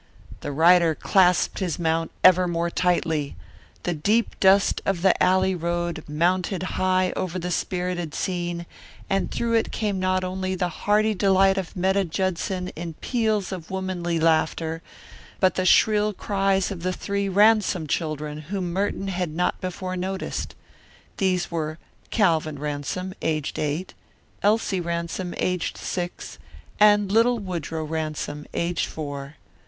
The rider clasped his mount ever more tightly. The deep dust of the alley road mounted high over the spirited scene, and through it came not only the hearty delight of Metta Judson in peals of womanly laughter, but the shrill cries of the three Ransom children whom Merton had not before noticed. These were Calvin Ransom, aged eight; Elsie Ransom, aged six; and little Woodrow Ransom, aged four.